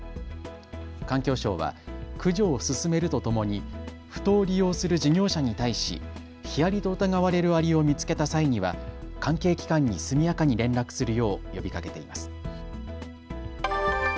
環境省は駆除を進めるとともにふ頭を利用する事業者に対しヒアリと疑われるアリを見つけた際には関係機関に速やかに連絡するよう呼びかけています。